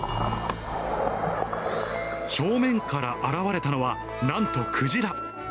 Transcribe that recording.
正面から現れたのは、なんとクジラ。